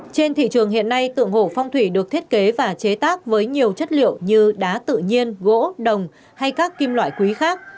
trên thị trường hiện nay tượng hổ phong thủy được thiết kế và chế tác với nhiều chất liệu như đá tự nhiên gỗ đồng hay các kim loại quý khác